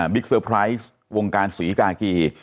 เซอร์ไพรส์วงการศรีกากี